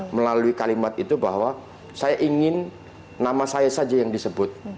melalui kalimat itu bahwa saya ingin nama saya saja yang disebut